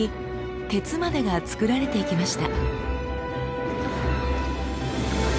鉄までが作られていきました。